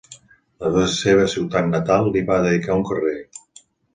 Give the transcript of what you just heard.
La seva ciutat natal li va dedicar un carrer.